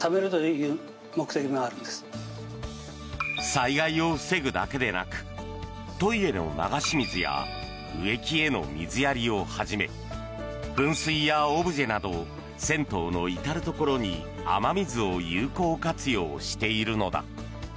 災害を防ぐだけでなくトイレの流し水や植木への水やりをはじめ噴水やオブジェなど銭湯の至るところに雨水を有効活用しているのだ。